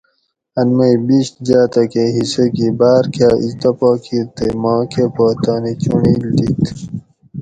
ان مئ بیش جاتکہ حصہ گی باۤر کاۤ ازدہ پا کیر تے ماکہۤ پا تانی چونڑیل دِت